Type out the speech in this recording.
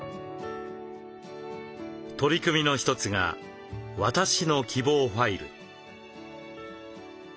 取り組みの一つが「私の希望ファイル」。